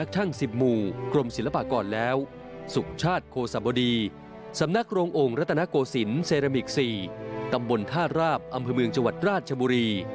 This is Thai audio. จนเซรามิก๔ตำบลธาตุราบอำเภอเมืองจวัดราชชมบุรี